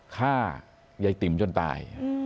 ฆ่าเยติมจนตาย